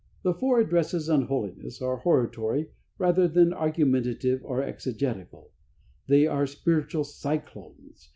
The four addresses on Holiness are hortatory rather than argumentative or exegetical. They are spiritual cyclones.